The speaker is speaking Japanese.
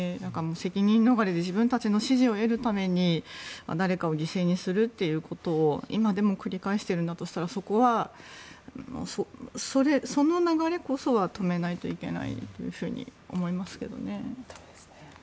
責任逃れで自分たちの支持を得るために誰かを犠牲にするということを今でも繰り返しているんだとしたらそこは、その流れこそは止めないといけないというふうに思いますけどね。